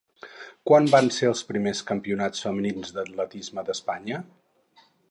Quan van ser els primers campionats femenins d'atletisme d'Espanya?